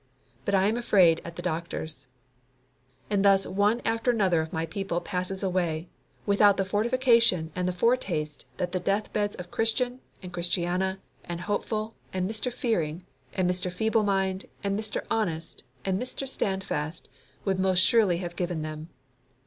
But I am afraid at the doctors. And thus one after another of my people passes away without the fortification and the foretaste that the deathbeds of Christian, and Christiana, and Hopeful, and Mr. Fearing, and Mr. Feeble mind, and Mr. Honest, and Mr. Standfast would most surely have given to them.